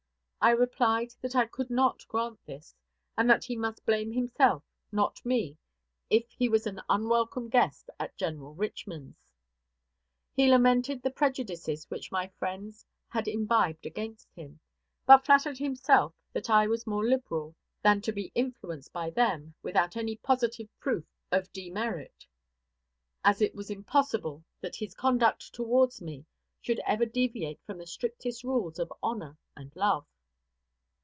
I replied that I could not grant this, and that he must blame himself, not me, if he was an unwelcome guest at General Richman's. He lamented the prejudices which my friends had imbibed against him, but flattered himself that I was more liberal than to be influenced by them without any positive proof of demerit, as it was impossible that his conduct towards me should ever deviate from the strictest rules of honor and love.